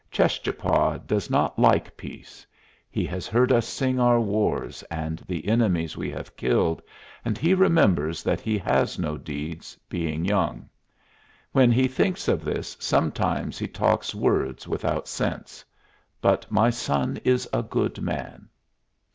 Cheschapah does not like peace. He has heard us sing our wars and the enemies we have killed, and he remembers that he has no deeds, being young. When he thinks of this sometimes he talks words without sense. But my son is a good man."